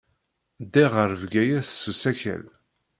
Ddiɣ ɣer Bgayet s usakal.